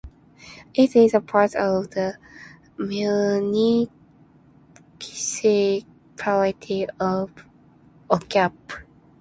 It is a part of the municipality of Ocampo.